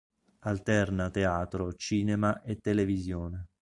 Alterna teatro, cinema e televisione.